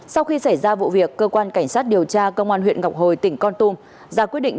sau khi xảy ra vụ việc cơ quan cảnh sát điều tra công an huyện ngọc hồi tỉnh con tum ra quyết định